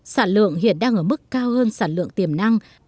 sản lượng hiện đang ở mức cao hơn sản lượng tiềm năng